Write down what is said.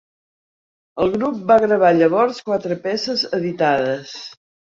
El grup va gravar llavors quatre peces editades.